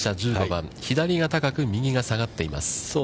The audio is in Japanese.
１５番、左が高く、右が下がっています。